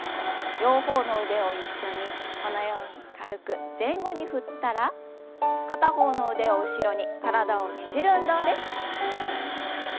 両方の腕を一緒にこのように軽く前後に振ったら片方の腕を後ろに体をねじる運動です。